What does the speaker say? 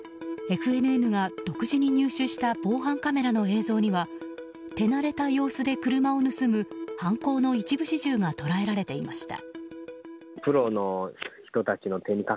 ＦＮＮが独自に入手した防犯カメラの映像には手慣れた様子で車を盗む犯行の一部始終が捉えられていました。